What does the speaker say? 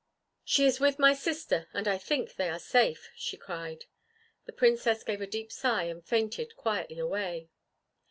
"She is with my sister, and I think they are safe," she cried. The Princess gave a deep sigh and fainted quietly away.